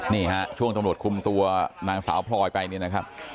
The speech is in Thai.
นี่ฮะช่วงตำรวจคุมตัวนางสาวพลอยไปเนี่ยนะครับ